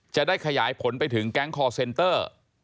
จะได้ขยายผลไปถึงแก๊งคอร์เซนเตอร์